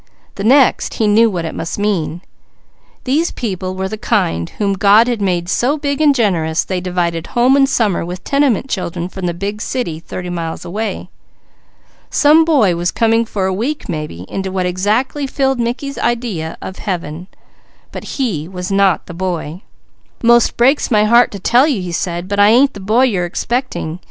The next, he knew what it must mean. These people were the kind whom God had made so big and generous they divided home and summer with tenement children from the big city thirty miles away. Some boy was coming for a week, maybe, into what exactly filled Mickey's idea of Heaven, but he was not the boy. "'Most breaks my heart to tell you," he said, "but I ain't the boy you're expecting.